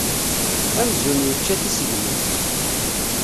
Amzun yečča tisegnit.